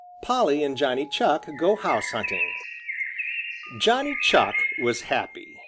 POLLY AND JOHNNY CHUCK GO HOUSE HUNTING Johnny Chuck was happy.